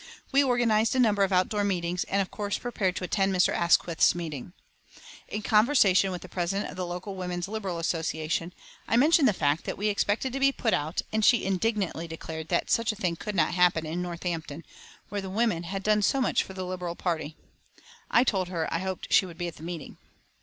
We organised a number of outdoor meetings, and of course prepared to attend Mr. Asquith's meeting. In conversation with the president of the local Women's Liberal Association, I mentioned the fact that we expected to be put out, and she indignantly declared that such a thing could not happen in Northampton, where the women had done so much for the Liberal party. I told her that I hoped she would be at the meeting.